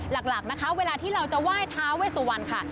หลักนะคะเวลาที่เราจะไหว้ท้าเวสวันค่ะ